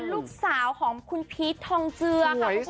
ลูกสาวของคุณพีชทองเจือ